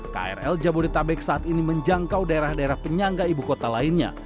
krl jabodetabek saat ini menjangkau daerah daerah penyangga ibu kota lainnya